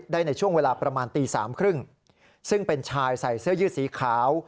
ได้ในช่วงเวลาประมาณตี๓๓๐ซึ่งเป็นชายใส่เสื้อยืดสีขาว